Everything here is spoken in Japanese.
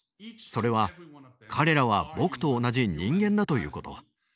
それは彼らは僕と同じ人間だということ。